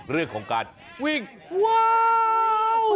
เรื่องของการวิ่งว้าว